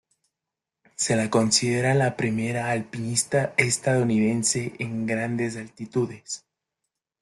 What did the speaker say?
Se la considera la primera alpinista estadounidense en grandes altitudes.